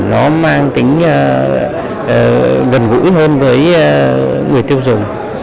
nó mang tính gần gũi hơn với người tiêu dùng